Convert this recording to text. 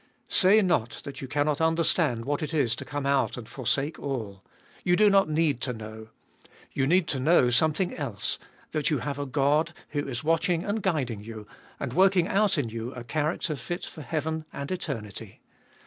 Say not that you cannot understand what it is to come out and forsake all. You do not need to know. You need to know something else that you have a God, who is watching and guiding you, and working out in you a character fit for heaven and eternity.